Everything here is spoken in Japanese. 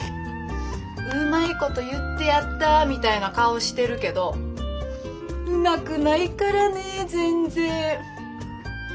うまいこと言ってやったみたいな顔してるけどうまくないからね全然！